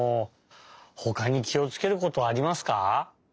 ほかにきをつけることはありますか？